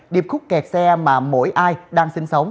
điệp khúc kẹt xe mà mỗi ai đang sinh sống